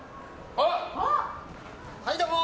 はいどうも！